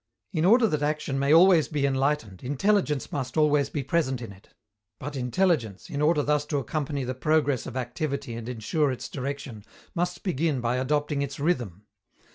In order that action may always be enlightened, intelligence must always be present in it; but intelligence, in order thus to accompany the progress of activity and ensure its direction, must begin by adopting its rhythm.